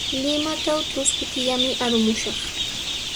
Limatraw trusku killami arumushaq.